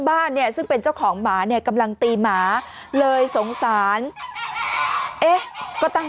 บ้านเนี่ยซึ่งเป็นเจ้าของหมาเนี่ยกำลังตีหมาเลยสงสารเอ๊ะก็ตั้ง